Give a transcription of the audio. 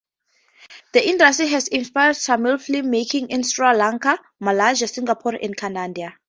The industry has inspired Tamil film-making in Sri Lanka, Malaysia, Singapore and Canada.